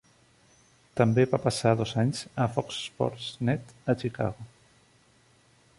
També va passar dos anys a Fox Sports Net a Chicago.